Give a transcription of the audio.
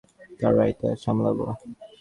তারাই এটা সামলাবো।